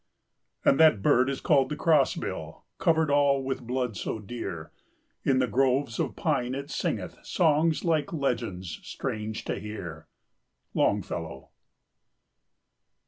"And that bird is called the Crossbill, Covered all with blood so dear, In the groves of pine it singeth Songs, like legends, strange to hear." —Longfellow.